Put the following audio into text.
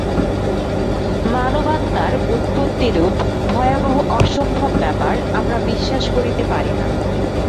মানবাত্মার উৎপত্তিরূপ ভয়াবহ অসম্ভব ব্যাপার আমরা বিশ্বাস করিতে পারি না।